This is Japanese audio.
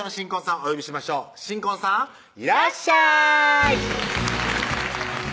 お呼びしましょう新婚さんいらっしゃいこんにちは